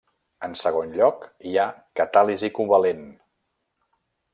En segon lloc hi ha catàlisi covalent.